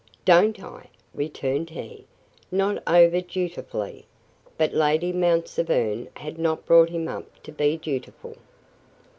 "Don't I!" returned he, not over dutifully. But Lady Mount Severn had not brought him up to be dutiful.